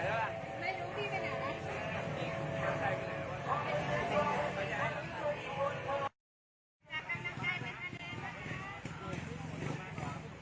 อันดับอันดับอันดับอันดับอันดับอันดับ